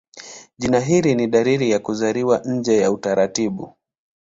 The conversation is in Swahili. Jina hili ni dalili ya kuzaliwa nje ya utaratibu.